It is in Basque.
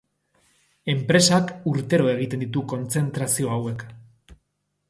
Enpresak urtero egiten ditu kontzentrazio hauek.